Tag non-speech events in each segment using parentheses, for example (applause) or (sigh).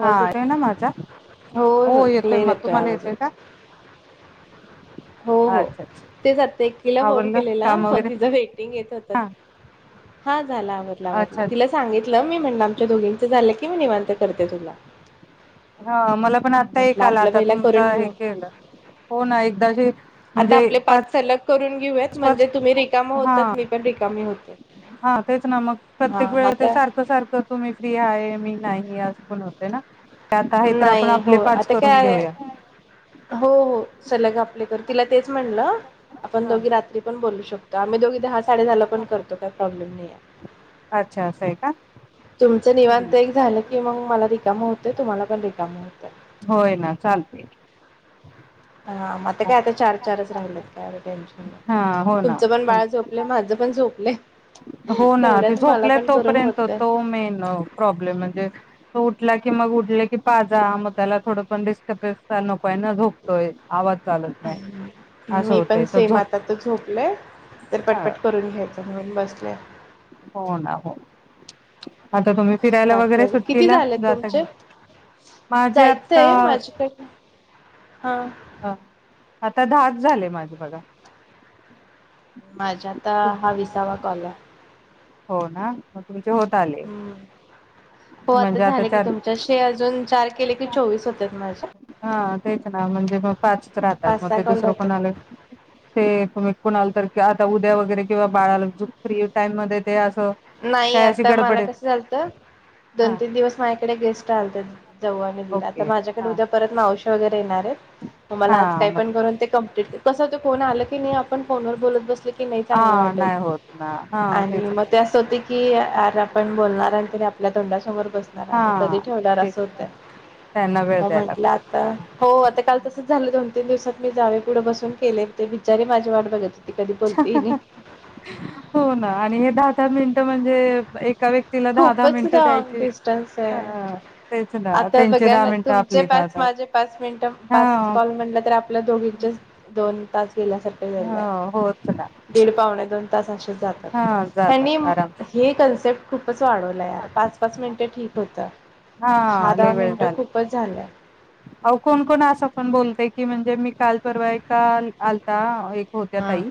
हा येत येतोय ना माझा होय हो होय येतोय क्लिअर मग तुम्हाला आवाज येतय का? येतोय हो हो अच्छा अच्छा तेच आता एकीला फोन आवरलं केलेला काम पण वगैरे तिचं वेटिंग येत होता. हा हा झालं आवरलं आवरल अच्छा तिला अच्छा सांगितलं मी म्हणलं आमच्या दोघींचं झालं की मी निवांत करतेे तुला. हा मला पण आता एक म्हटलं आला आपलं आता पहिला तुमच करून हे घेऊ केलं हो ना एकदाची आता आपले पाच सलग करून घेऊयात म्हणजे पाच तुम्ही रिकाम होतात मी पण रिकामी होते हा तेच ना मग प्रत्येक हा मग वेळ ते आता सारखं सारखं तुम्ही फ्री आहे मी नाही आस बनवते ना. ते आता हे तर आपण नाही हो आपले पाच आता काय करून घेऊया आहे हो हो सलग आपले करू तिला तेच म्हणलं आपण हा दोघी रात्री त्रि पण बोलू शकतो. आम्ही दोघी दहा साडे दला पण करतो काय प्रॉब्लेम नाही हाय अच्छा असं आहे का अस निवांत एक झालं की मग मला रिकाम होतय तुम्हाला पण रिकाम होतय. होय ना चालते हा म आता काय आता चार चारच राहिलेत काय टेन्शन हा हो नाही ना तुमचं पण बाळ झोपलय माझ पण झोपलय हो ना ते तेवढ्यात मला झोपल्या पण करून तोपर्यंत होतय. तो मेन प्रॉब्लेम म्हणजे तो उठला की मग उठल की पाजा मग त्याला थोडं पण डिस्टर्बन्स नको व्हय ना झोपतोय आवाज चालत नाही असं मी पण होतंय तर सेम झोप आता तो झोपलंय तर हा पटपट करून घ्यायचं म्हणून बस (unintelligible) हो ना हो म आता तुम्ही फिरायला बाकी वगैरे अजून किती सुट्टीला झालेत जाता तुमचे? काय माझी आता जायचंय माझ्याकडे हा अ आता दहाच झाले माझे बघा. माझा आता हा विसावा कॉल आहे. हो ना मग मी की होत आले. हम्म हो म्हणजे आता झाले की चार तुमच्याशी अजून चार केले की चोवीस होतात माझे. हा तेच ना म्हणजे मग पाचच राहतात पाच मग सहा ते कॉल दुसरं राहतात. कोणाला ते तुमी कूणाला तरी आता उद्या वगैरे किंवा बाळाला दूध फ्री टाईम मध्ये ते अस नाही आता मला कसं झालत? दोन हा तीन दिवस माझ्याकडे गेस्ट आलेतेत. जाऊ आनी दिर आता ओके माझ्याकडे हा उद्या परत मावशी वगर येणार आहेत मग मला आज हा काय मग पण करून ते कंप्लिट कस होतय कोण आले की आपण फोन वर बोलत बसलो कि नाई चांगलं हा वाटतं नाही होत ना हा आणि तेच ना मग अस होतय की यार आपण बोलणार आणि तेनी आपल्या तोंडासमोर बसणार आम्ही कधी हा ठेवणार तेच अस होतय त्यांना वेळ मग द्यायला म्हंटलं आता लागतो हो आता काल तसच झालं दोन तीन दिवसात मी जावे पुढं बसून केले होते बिचारीे माझ वाट बघायाची ती कधी बोलते मिनटं म्हणजे एक खूपच लॉग डिस्टन्स आहे. ह तेच ना आता त्यांचे बघा दहा ना, मिनिटं तुमचे आपली दहा पाच, दहा माझे पाच मिनिटं. हा पाच कॉल म्हटलं तर आपल्या दोघींचे दोन पाच झा हो होच ना दीड पावणे दोन तास असेच जातात. हा ह्यांनी जातात आराम हि कन्सेप्ट खूपच वाढवलं यार. पाच-पाच मिनिटं ठीक होतं हा दहा-दहा मिनिटं खूपच झालंय. अव कोण कोण असं पण बोतंय की म्हणजे मी काल परवा ऐका आलता एक होत्या हा. ताई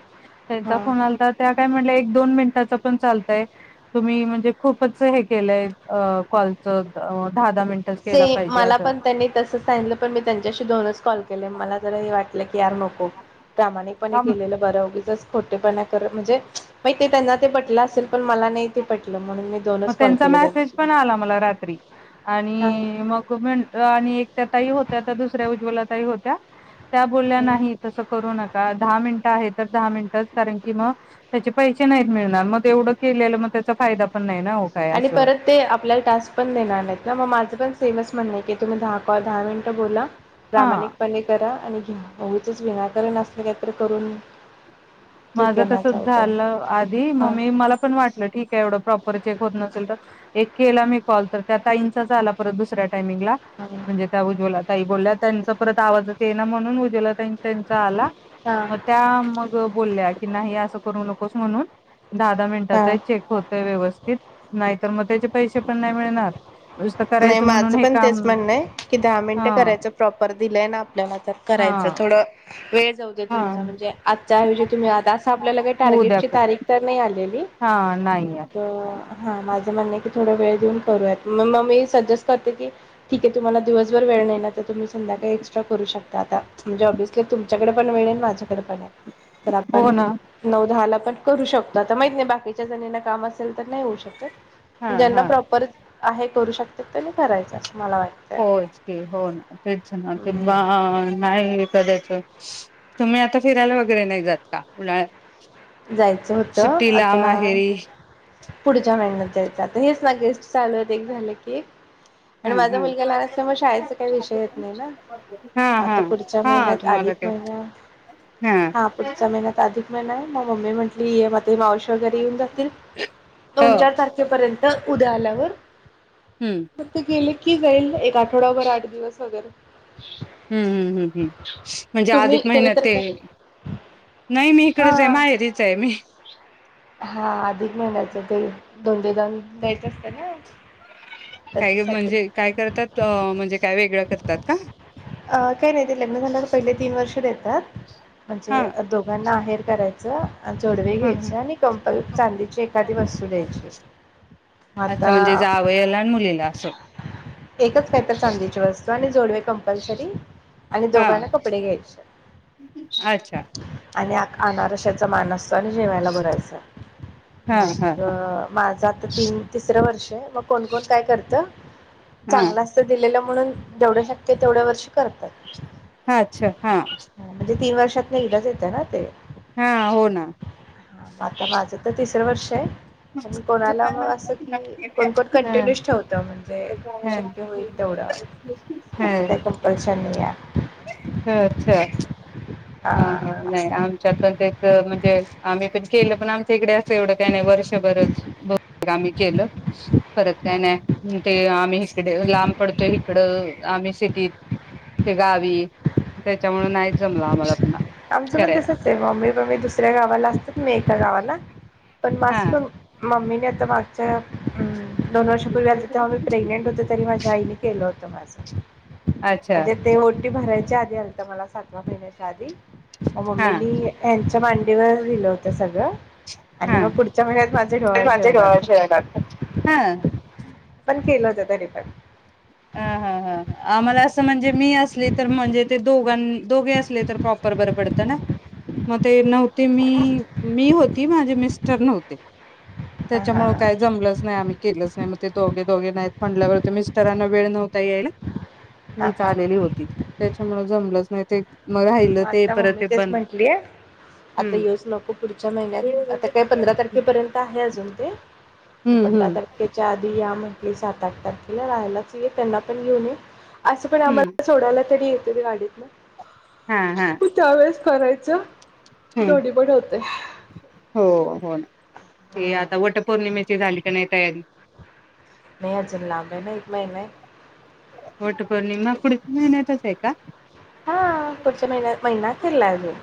त्यांचा हा. फोन आलता त्या काय म्हल्या दोन मिनटाचं पण चालतंय. तुम्ही म्हणजे खूपच हे केलंय हे कॉलचं अ ते मला पण त्यांनी तस सांगीत पण मी त्यांच्याशी दोनच कॉल केले मला ज वाटल यार नको प्रामाणिकपणे केलेलं बर उगीचच खोटेपणा कर म्हणजे महि ते त्यांना ते पटलं असेल पण मला नाही ते पटलं म्हणून मी मग दोनच कॉल त्यांचा केले मेसेज त्यांच्यासोबत. पण आला मला रात्री हा आणि ह मग म्हणलं आणि त्या ताई होत्या तर दुसऱ्या उज्वला ताई होत्या त्या बोलल्या हम्म. नाही तसं करू नका दहा मिनिटं आहे तर दहा मिनिटचं कारण की मग त्याचे पैसे नाहीत मिळणार मग तेवढं केलेलं मग त्याचा फायदा पण नाही आणि असं परत ते आपल्याला टास्क पण देणार नाहीत ना मग माझं पण सेमच म्हण तुम्ही दहा कॉल दहा मिनटं बोला हा प्रामाणिकपणे करा आणि उगीचच विनाकारण असलं कायत करून ठीक माझं आहे ना तसच चालतंय. झालं. आधी मग हा मी मला पण वाटलं ठीक आहे एवढं प्रॉपर चेक होत नसेल तर एक केला मी कॉल तर त्या ताईंचाच आला परत दुसऱ्या टायमिंगला हा म्हणजे त्या उज्वला त ताई बोलल्या त्यांचा परत आवाजच येईना म्हणून उज्ज्वला ताई त्यांचा आला मग त्या मग बोलल्या की नाही असं करू नकोस म्हणून दहा-दहा मिनिटाचा हा आहे चेक होतंय व्यवस्थित. नाहीतर मग त्याचे पैसे पण नाही मिळणार नुसतं नाही करायचं म्हणून माझं हे पण काम. तेच म्हणणं आहे की दहा मिनिटं हा करायचं प्रॉपर दिलंय हा. (inaudible) होऊ द्या हा तुमचा म्हणजे आजच्या ऐवजी तुम्ही आ आपल्याला काही होऊ द्या टार्गेटची कर तारीख तर नाही आलेली. हा नाहीये माझ म्हणणं की थोड वेळ देऊन करूयात म म मी सजेस करते की ठीकय तुम्हाला दिवसभर वेळ नाही ना तर तुम्ही संध्याकाळी एक्स्ट्रा करू शकता आता म्हणजे ओबी तुमच्याकडे पण वेळ आहे आणि माझ्याकडे पण आहे तर हो आपण ना नऊ-दहाला तर माहित नाही बाकीच्या जणीना काम असेल तर नाही होऊ शकत. हा ज्यांना प्रॉपर आहे. करू शकते होयच की हो ना ते ना हम्म (unintelligible) नाय एखाद्याच तुम्ही आता फिरायला वगैरे नाही जात का उन्हाळ्यात जायचं होतं सुट्टीला आता माहेरी पुढच्या महिन्यात जायचं आता हेच ना गेस्ट चालूयत एक झालं की एक हा आणि माझा हा मुलगा लहान असल्यामुळे शाळेचा काही विषय येत नाही ना हा हा आता पुढच्या हा महिन्यात तुम्हाला अधिक काय महिन्या हा पुढच्या महिन्यात अधिक मला म मम्मी म्हटली ये मावशी वगैरे येऊन जातील हो दोन चार तारखेपर्यंत उद्या आल्या (inaudible) आता गेले ती जाईल एक आठ आठवडाभर दिवस वगैरे हूं हूं हूं हूं म्हणजे तुम्ही अधिक तुम्ही महिन्यात तर ते काय नाही मी हा इकडेच आहे माहेरी चाय मी हा अधिक महिन्याच ते धोंडेदान काय ग म्हणजे काय करतात अ म्हणजे काय वेगळं करतात का? अ काही नाही ते लग्न झाल्यावर पहिले तीन (inaudible) हा म्हणजे दोघांना आहेर कराय (inaudible) जोडवे हा हा. घ्यायचे आणि कंपल चांदीची एखादी वस्तू द्यायची अच्छा म्हणजे आता जावयाला आणि मुलीला असं एकच काहीत चांदीची वस्तू आणि जोडवे कंपलसरी आणि हा दोघांना कपडे घ्यायचे अच्छा आणि आक आणारशाचा मानस त्यानं जेवायला भरायच हा हा मग माझ आता तीन तिसरं वर्ष मग कोणकोण काय करत हा चांगला असत दिलेलं म्हणून जेवढ्या शक्य तेवढ्या वर्षी करतात. हा अच्छा हा म्हणजे तीन वर्षात एकदाच येतं ना ते हा हो ना हा, मग आता माझं तर तिसर वर्षय पण कोणाला मग असं कि कोणकण हा कंटिन्यूस ठेवत म्हणजे हा शक्य होईल तेवढं असं काही हा कंपल्शन नाहीये. अच्छा हा हा नाही आमच्यात पण त्याच म्हणजे आम्ही पण केलं पण आमच्या इकडे असं एवढं काही नाही वर्षभरच बहुतेक आम्ही केलं. परत काय आहे नाही ते आम्ही हिकडे लांब पडतोय हिकडं आम्ही सिटीत ते गावी त्याच्यामुळ नाहीच जमला आम्हाला पुन्हा आमचं पण करायला तसच आहे मम्मी पम्मी दुसऱ्या गावाला असतात. मेका गावा ला पण मास हा पण मम्मी हि इथं मागच्या उम दोन वर्षापूर्वी आलती तेव्हा मी प्रेगनेंट होते तरी माझ्या आईने केलं होतं. त माझं अच्छा म्हणजे ते ओटी भराय च्या आधी आलता मला सातवा महिन्याच्या आधी (inaudible) मग हा मम्मीनी (unintelligible) च्या मांडीवर दिलं होतं सगळं. आणि हम्, मग पुढच्या महिन्यात माझे डोळ माझे जेवण डोहाळे होतं जेवण होतं, हम्मं. पण केलं होतं तरी पण हा हा हा हा आम्हाला अस म्हणजे मी असली तर म्हणजे ते दोघां दोघे असले तर प्रॉपर बरं पडत (unintelligible) मग ते नऊ ते मी, मी होती माझे मिस्टर नव्हते. हा हा त्याच्यामुळं काय जमलंच नाय आम्ही केलच नाही मग ते दोघे दोघे नाहीत म्हणल्यावर तर मिस्टरांना वेळ नव्हता यायला. हा मीच हा आलेली होती. त्याच्यामुळ जमलंच नाय ते मग राहिलं ते आता परत मम्मी ते तेच बंद म्हटलीय. आता हम्म. येऊच नको पुढच्या महिन्यात आता काय हम्म पंधरा तारखेपर्यंत आहे अजून ते. पंधरा हम्म तारखेच्या आ या म्हटली सात-आठ तारखेला राहायलाच ये त्यांना पण घेऊन ये असं पण हम्म आम्हाला सोडायला तरी त्यज गाडीत नं हा हा! करायचं हम्म दोन्ही पण (unintelligible) हे हम्म आता वट प पर्णमेची झाली का नाय तयारी नाय अजुन लांब हाय ना एक महिना ये वट पौर्णिमा पुढच्या महिन्यातच आहे का? हा पुढच्या महिण्या महिना अकेरलाय अजून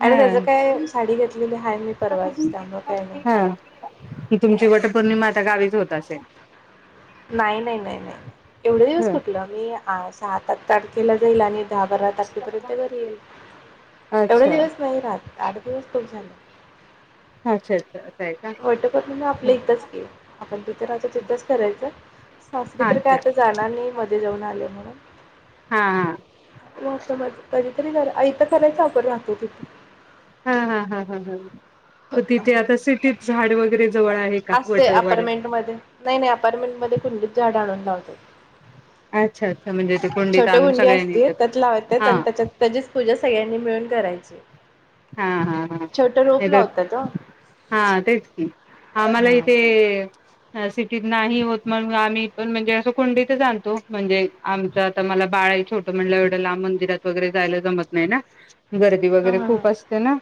आणि हा त्याच काय साडी घेतलेली हाय मी परवाच त्यामुळं काय नाय. हा. तुमची वटपौर्णिमा आता गावीच होत असेल? नाही नाय नाय नाय एवढे दिवस ह कुटलं, मी आज (unintelligible) तारखेला जाईल आणि दहा-बारा तारखेपर्यंत घरी येईल. एवढे अच्छा दिवस नाही राहात. आठ दिवस खूप झाले. अच्छा अच्छा आहे का वटपौर्णिमा आपल्या इथच की आपण तिथे राहायचो तिथंच करायचं. सासरी तर अच्छा काय आता जाणार नाही मध्ये जाऊन आले म्हणून. हा हा! (unintelligible) तरी बर आई (unintelligible) राहतो तिथे. पण तिथे आता सिटीत झाड वगैरे जव असते. अपार्टमेंट मध्ये नाही नाही. अपार्टमेंट मध्ये कुंडीत झाड आणून लाव अच्छा अच्छा म्हणजे ते (unintelligible) कोंडीत छोट आणून कुंडी सगळ्यांनी असती एकत्र त्यात लावत्यात हा आणि त्याच्यात त्याचीच पूजा सगळ्यांनी मिळून करायचे. हा-हा-हा नाही तर, ओ हा तेच की आ मला हा इथे सिटीत नाही होत. मग आम्ही पण म्हणजे असं कोंडीथ जातो. म्हणजे आमचं आता मला बाळ ये छोटं, म्हणलं एवढं लांब मंदिरात वगैरे जायला जमत नाही ना गर्दी हा वगैरे हा खूप ना.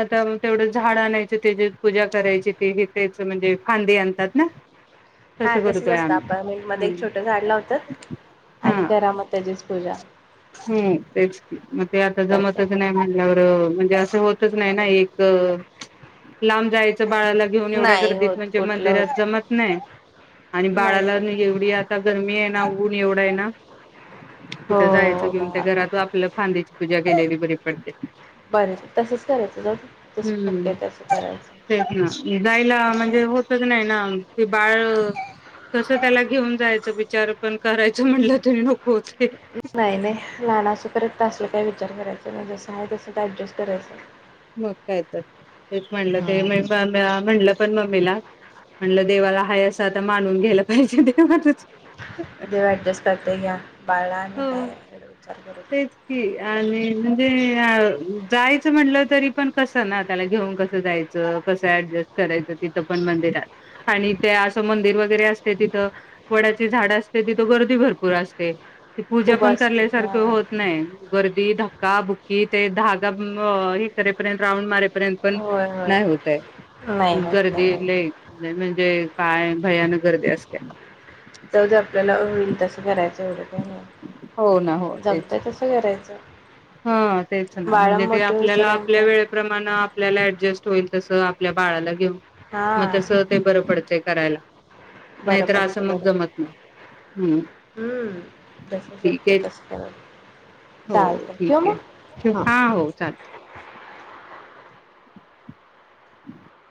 आता तेवढं झाड आणायचं, तेजिच पूजा करायची ते हेच तेच म्हणजे फांदी आणतात ना? हा तसं तसच करतोय असतं अपार्टमेंट मध्ये आम्ही एक छोटं झाड लावतात आणि करा मग त्याचीच पूजा ह तेच की मग ते आता तसं जमतच नाही म्हणल्यावर म्हणजे अस अस होतच नाही ना एक लांब जायच बाळाला घेऊन एवढ्या नाही होत गर्दीत म्हणजे कुठलं मंदिरात होत जमत नाही आणि नाही बाळाला होत एवढी आता गरमी आहे ना ऊन एवढ आहे ना हो ओ तुमच्या घरातून आपल्या फांदीची पूजा केलेली बरी बरी पडते. बर तसंच करायचं जा तस हम्म शक्य तसं करायचं तेच ना जायला म्हणजे होतच नाही ना ते बाळ कस त्याला घेऊन जायचं विचार पण करायचं म्हणलं तर नको होते नाही नाही लहना असेपर्यंत असलं काय विचार करायचं ना जसं आहे तसं ऍडजस्ट करायचं मग काय तर तेच म्हणलं ते मी म्हणलं पण मम्मीला म्हणलं देवाला हाय आस आता मानून घ्यायला पाहिजे तेवातच देव ऍडजस्ट करतोय घ्या बाळ लहान आहे काय करायचं तेच की, ते आणि म्हणजे जायचं म्हटलं तरी पण कसं ना त्याला घेऊन कसं जायचं कसं ऍडजस्ट करायचं. तिथं पण मंदिरात आणि ते असं मंदिर वगैरे असते तिथं वडाची झाड असते तिथं गर्दी भरपूर असते. ते पूजा खूप पण असते करल्यासारख हां अस होत नाही गर्दी धा का बुक्की ते धागा हे करेपर्यंत राऊंड मारे पर्यंत पण होय होय नाही होतय नाही गर्दी लई म्हणजे जे जावू दे आपल्याला होईल तसं करायचं एवढं हो जमतय तस करायचं. ह तेच ना बाळा म्हणजे ते मोठे आपल्याला होईपर्यंत आपल्या वेळेप्रमाण आपल्याला ऍडजस्ट होईल तस आपल्या बाळाला घेऊन मग हां तस ते बर पडंतय. करायला. बरं नाहीतर असं पडतं मग बरं जमत नाही. हम्म हम्म जस ठीक शक्य आहे तस करा हो ठीक आहे हा हो चालतय.